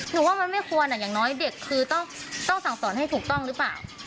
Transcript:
หนูว่ามันไม่ควรอย่างน้อยเด็กคือต้องสั่งสอนให้ถูกต้องหรือเปล่า